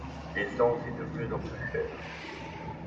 L'essence est de plus en plus chère.